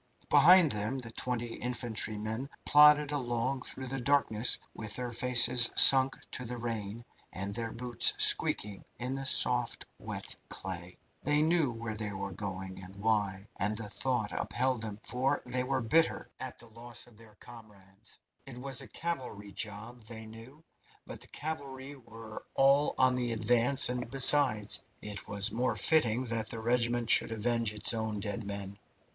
Behind them the twenty infantrymen plodded along through the darkness with their faces sunk to the rain, and their boots squeaking in the soft, wet clay. They knew where they were going, and why, and the thought upheld them, for they were bitter at the loss of their comrades. It was a cavalry job, they knew, but the cavalry were all on with the advance, and, besides, it was more fitting that the regiment should avenge its own dead men.